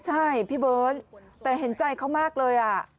ใช่พี่เบิร์ตแต่เห็นใจเขามากเลย